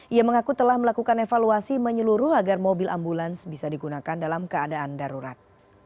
ia mengaku telah melakukan evaluasi menyeluruh agar mobil ambulans bisa digunakan dalam keadaan darurat